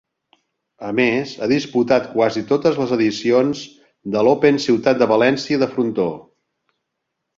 A més, ha disputat quasi totes les edicions de l'Open Ciutat de València de Frontó.